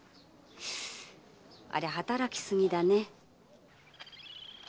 ありゃ働き過ぎだね。